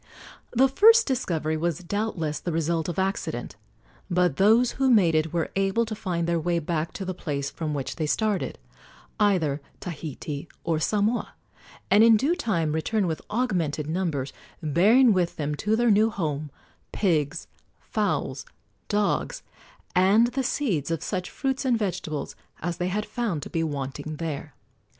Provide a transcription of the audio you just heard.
The first discovery was doubtless the result of accident; but those who made it were able to find their way back to the place from which they started either Tahiti or Samoa and in due time return with augmented numbers, bearing with them to their new home pigs, fowls, dogs, and the seeds of such fruits and vegetables as they had found to be wanting there.